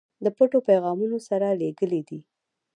د پټو پیغامونو سره لېږلی دي.